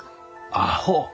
アホ。